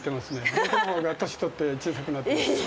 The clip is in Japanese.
僕のほうが年とって小さくなって。